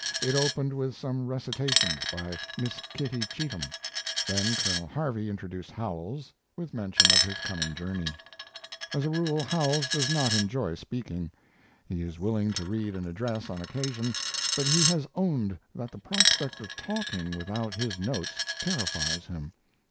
It opened with some recitations by Miss Kitty Cheatham; then Colonel Harvey introduced Howells, with mention of his coming journey. As a rule, Howells does not enjoy speaking. He is willing to read an address on occasion, but he has owned that the prospect of talking without his notes terrifies him.